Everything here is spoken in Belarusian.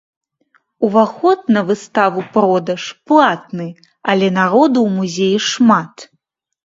Уваход на выставу-продаж платны, але народу ў музеі шмат.